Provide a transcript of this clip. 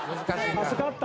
熱かった？